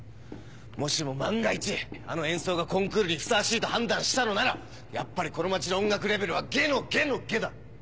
もしも万が一あの演奏がコンクールにふさわしいと判断したのならやっぱりこの町の音楽レベルは下の下の下だ。